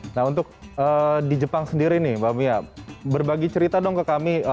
nah untuk di jepang sendiri nih mbak mia berbagi cerita dong ke kami